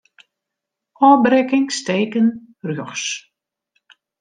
Ofbrekkingsteken rjochts.